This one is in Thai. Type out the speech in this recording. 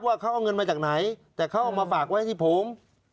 ว่าเขาเอาเงินมาจากไหนแต่เขาเอามาฝากไว้ที่ผม